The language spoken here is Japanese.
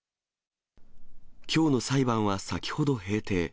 きょうの裁判は先ほど閉廷。